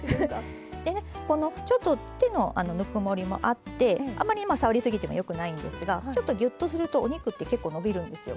でねこのちょっと手のぬくもりもあってあまり触り過ぎてもよくないんですがちょっとギュッとするとお肉って結構伸びるんですよ